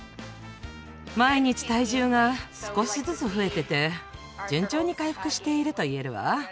毎日体重が少しずつ増えていて順調に回復してると言えるわ。